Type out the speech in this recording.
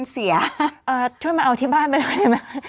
เอ่อเสียช่วงมาเอาที่บ้านไปดีกว่า